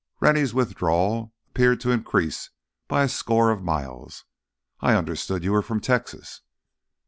Rennie's withdrawal appeared to increase by a score of miles. "I understood you were from Texas."